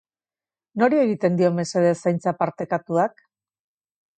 Nori egiten dio mesede zaintza partekatuak?